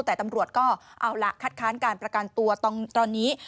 แต่ตำรวจก็เอาล่ะคัดค้านการประกันตัวตอนนี้